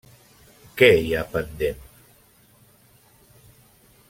Què hi ha pendent?